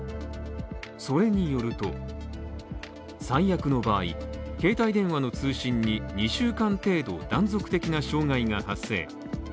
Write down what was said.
それによると最悪の場合、携帯電話の通信に２週間程度、断続的な障害が発生。